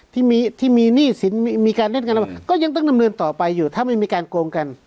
ที่มีที่มีหนี้สินมีการเล่นการระบาดก็ยังต้องดำเนินต่อไปอยู่ถ้าไม่มีการโกงกัน